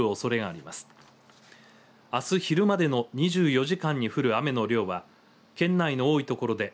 あす昼までの２４時間に降る雨の量は県内の多い所で